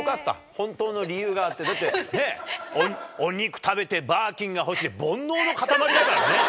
本当の理由があって、だって、お肉食べて、バーキンが欲しい、煩悩の塊だからね。